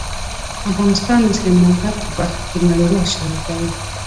افغانستان د سلیمان غر په برخه کې نړیوال شهرت لري.